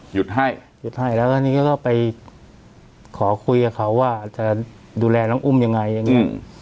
หยุดให้หยุดให้แล้วก็นี่เขาก็ไปขอคุยกับเขาว่าจะดูแลน้องอุ้มยังไงอย่างนี้